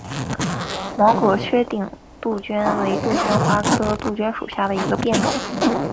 毛果缺顶杜鹃为杜鹃花科杜鹃属下的一个变种。